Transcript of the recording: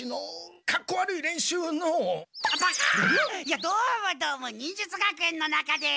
やっどうもどうも忍術学園の中で。